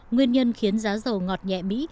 nguyên nhân khiến giá dầu ngọt nhẹ mỹ